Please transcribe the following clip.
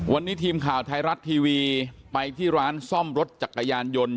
วันนี้ทีมข่าวไทยรัฐทีวีไปที่ร้านซ่อมรถจักรยานยนต์